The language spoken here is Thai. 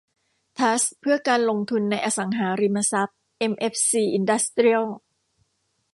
ทรัสต์เพื่อการลงทุนในอสังหาริมทรัพย์เอ็มเอฟซีอินดัสเตรียล